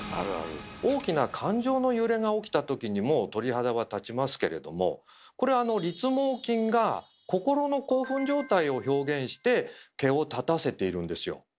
大きな感情の揺れが起きた時にも鳥肌は立ちますけれどもこれあの立毛筋が心の興奮状態を表現して毛を立たせているんですよ。